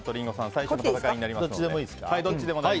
最初の戦いになりますので。